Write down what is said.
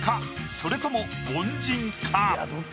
それとも凡人か？